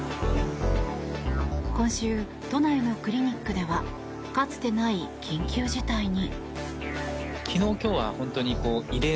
今週、都内のクリニックではかつてない緊急事態に。